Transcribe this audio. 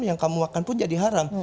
yang kamu makan pun jadi haram